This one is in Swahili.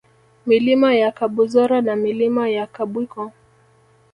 Milima ya Kabuzora na Milima ya Kabwiko